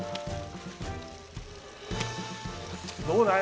どうだい？